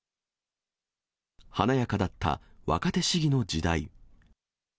華やかだった若手市議の時代。